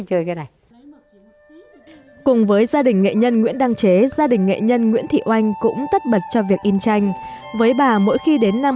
cùng với gia đình nghệ nhân nguyễn đăng chế gia đình nghệ nhân nguyễn thị oanh cũng tất bật cho việc in tranh